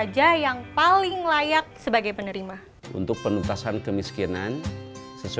bahwa certify seperti kita useless ini psalm empat ratus lima puluh dua